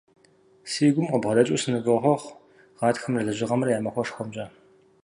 Си гум къыбгъэдэкӏыу сынывохъуэхъу Гъатхэмрэ Лэжьыгъэмрэ я махуэшхуэмкӏэ!